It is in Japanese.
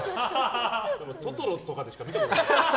「トトロ」とかでしか見たことない。